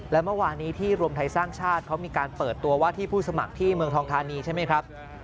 และเมื่อวานี้ที่รวมไทยสร้างชาติเขามีการเปิดตัวว่าที่ผู้สมัครที่เมืองทองธานีใช่ไหมครับ